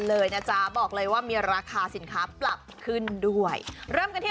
เลยนะจ๊ะบอกเลยว่ามีราคาสินค้าปรับขึ้นด้วยเริ่มกันที่